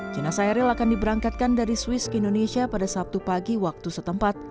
jenasa eril akan diberangkatkan dari swiss ke indonesia pada sabtu pagi waktu setempat